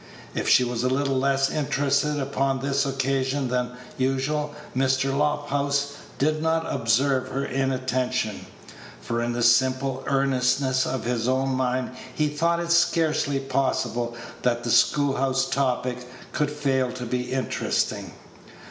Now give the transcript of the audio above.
If she was a little less Page 117 interested upon this occasion than usual, Mr. Lofthouse did not observe her inattention, for in the simple earnestness of his own mind he thought it scarcely possible that the school house topic could fail to be interesting.